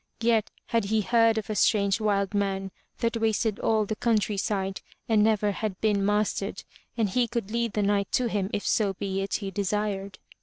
Yet had he heard of a strange wild man that wasted all the countryside and never had been mastered and he could lead the Knight to him if sobeit he desired.